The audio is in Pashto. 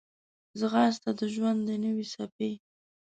ځغاسته د ژوند د نوې څپې